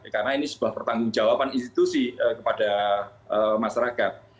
karena ini sebuah pertanggung jawaban institusi kepada masyarakat